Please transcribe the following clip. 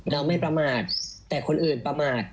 เราไม่ประมาทแต่คนอื่นประมาท